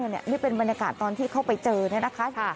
นี่เป็นบรรยากาศตอนที่เข้าไปเจอเนี่ยนะคะ